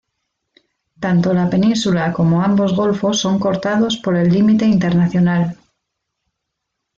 Tanto la península como ambos golfos son cortados por el límite internacional.